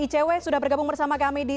icw sudah bergabung bersama kami di